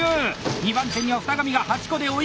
２番手には二神が８個で追いかけます。